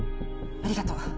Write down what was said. ありがとう。